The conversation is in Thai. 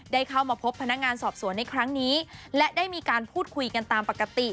ได้เข้ามาพบพนักงานสอบสวนในครั้งนี้และได้มีการพูดคุยกันตามปกติ